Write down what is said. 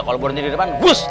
kalau bu ranti di depan buss